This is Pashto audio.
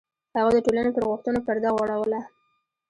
هغوی د ټولنې پر غوښتنو پرده غوړوله.